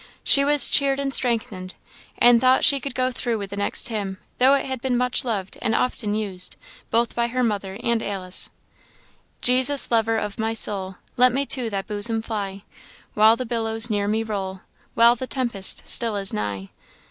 She was cheered and strengthened, and thought she could go through with the next hymn, though it had been much loved and often used, both by her mother and Alice: "Jesus, lover of my soul, Let me to thy bosom fly, While the billows near me roll, While the tempest still is nigh.